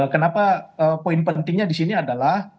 kenapa poin pentingnya di sini adalah